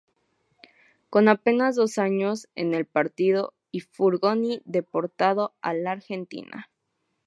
Con apenas dos años en el Partido y Frugoni deportado a la Argentina.